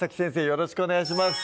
よろしくお願いします